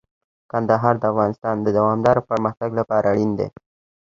کندهار د افغانستان د دوامداره پرمختګ لپاره اړین دی.